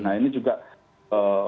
nah ini juga e